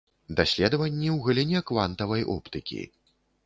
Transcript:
Даследаванні ў галіне квантавай оптыкі.